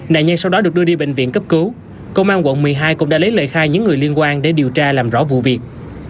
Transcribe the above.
nạn nhân sau đó được đưa đi bệnh viện cấp cứu công an quận một mươi hai cũng đã lấy lời khai những người liên quan để điều tra làm rõ vụ việc